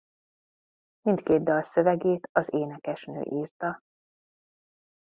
Mindkét dal szövegét az énekesnő írta.